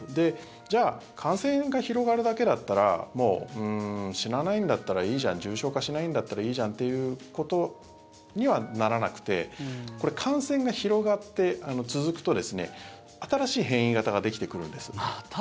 じゃあ感染が広がるだけだったらもう死なないんだったらいいじゃん重症化しないんだったらいいじゃんということにはならなくてこれ、感染が広がって続くと新しい変異型ができてくるんです。